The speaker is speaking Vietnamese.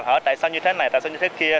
hỏi tại sao như thế này tại sao như thế kia